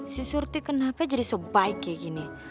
si surti kenapa jadi sebaiknya gini